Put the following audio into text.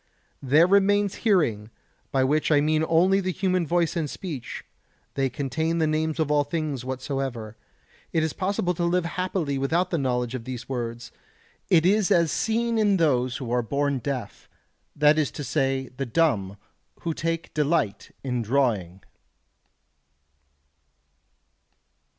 There remains hearing, by which I mean only the human voice and speech; they contain the names of all things whatsoever. It is possible to live happily without the knowledge of these words, as is seen in those who are born deaf, that is to say, the dumb, who take delight in drawing.